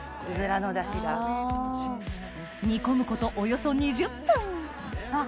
煮込むことおよそ２０分あっ